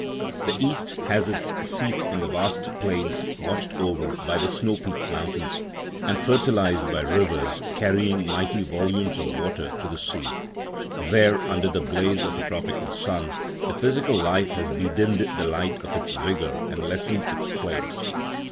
The East has its seat in the vast plains watched over by the snow peaked mountains and fertilised by rivers carrying mighty volumes of water to the sea. There, under the blaze of a tropical sun, the physical life has bedimmed the light of its vigour and lessened its claims.